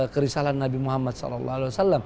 kerisalan nabi muhammad saw